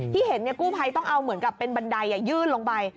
ที่เห็นกู้ภัยต้องเอาเหมือนกับเป็นบันไดยื่นลงไป